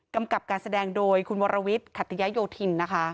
กับการแสดงโดยคุณวรวิทย์ขัตยโยธินนะคะ